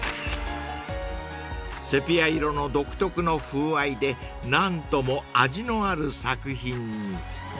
［セピア色の独特の風合いで何とも味のある作品に］